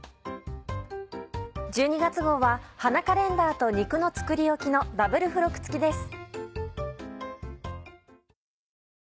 １２月号は花カレンダーと「肉の作りおき」のダブル付録付きです。